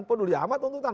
peduli amat tuntutan